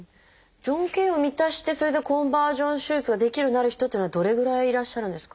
条件を満たしてそれでコンバージョン手術ができるようになる人っていうのはどれぐらいいらっしゃるんですか？